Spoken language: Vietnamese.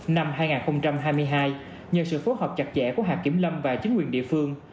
năm hai nghìn hai mươi hai nhờ sự phối hợp chặt chẽ của hạt kiểm lâm và chính quyền địa phương